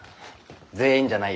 全員じゃないよ。